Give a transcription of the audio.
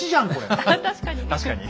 確かに！